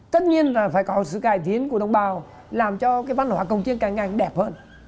tất nhiên là phải có sự cải thiến của đồng bào làm cho cái văn hóa cổng chiên càng ngang đẹp hơn